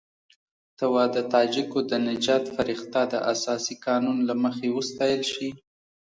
ته وا د تاجکو د نجات فرښته د اساسي قانون له حکم وستایل شي.